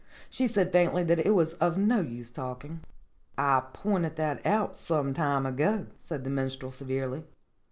She said faintly that it was of no use talking. "I pointed that out some time ago," said the Min strel severely.